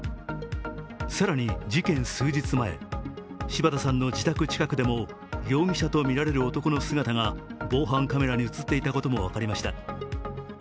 更に事件数日前、柴田さんの自宅近くでも容疑者とみられる男の姿が防犯カメラに映っていたことも分かりました。